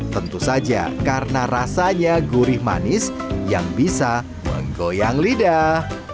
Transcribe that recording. tentu saja karena rasanya gurih manis yang bisa menggoyang lidah